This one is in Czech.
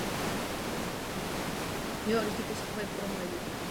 Kostel byl opraven v devadesátých letech.